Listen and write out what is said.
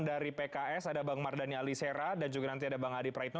ada bpks ada bang mardhani ali sera dan juga nanti ada bang adi praetno